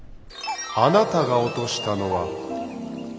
あなたが落としたのは金の斧か？